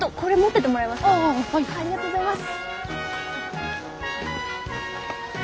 ありがとうございます。